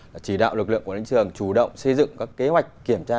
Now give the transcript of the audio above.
là chỉ đạo lực lượng quản lý thị trường chủ động xây dựng các kế hoạch kiểm tra